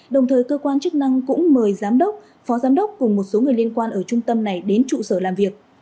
đồng thời cơ quan chức năng cũng mời giám đốc phó giám đốc cùng một số người liên quan ở trung tâm này đến trụ sở làm việc